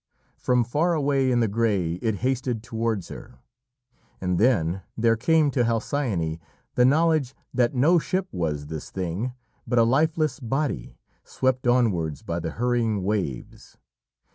From far away in the grey it hasted towards her, and then there came to Halcyone the knowledge that no ship was this thing, but a lifeless body, swept onwards by the hurrying waves.